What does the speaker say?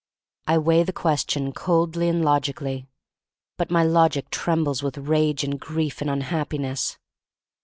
I weigh the question coldly and logically, but my logic trembles with rage and grief and unhappiness.